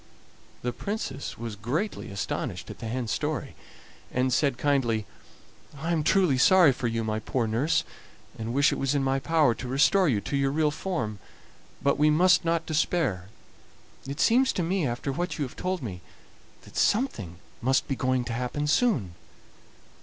The Princess was greatly astonished at the hen's story, and said kindly: "I am truly sorry for you, my poor nurse, and wish it was in my power to restore you to your real form. But we must not despair; it seems to me, after what you have told me, that something must be going to happen soon.